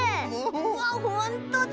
うわっほんとだ！